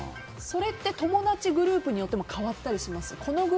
それって友達グループによって変わったりしますか？